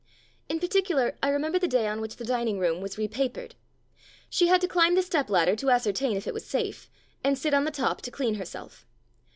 In particular, I remember the day on which the dining room was repapered. She had to climb the step ladder to ascertain if it was safe, and sit on the top to clean herself.